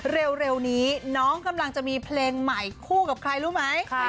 เร็วนี้น้องกำลังจะมีเพลงใหม่คู่กับใครรู้ไหม